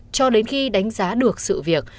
cho đến khi đánh giá được sự việc